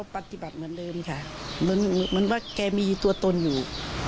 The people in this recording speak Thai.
ปฏิบัติเหมือนเดิมค่ะเหมือนเหมือนว่าแกมีตัวตนอยู่